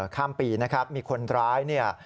ข้ามปีนะครับมีคนร้าย